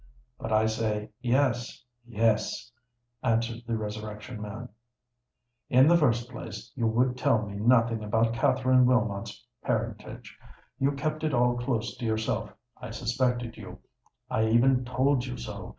"But I say yes—yes," answered the Resurrection Man. "In the first place you would tell me nothing about Catherine Wilmot's parentage: you kept it all close to yourself. I suspected you—I even told you so.